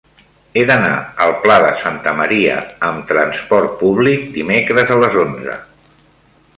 He d'anar al Pla de Santa Maria amb trasport públic dimecres a les onze.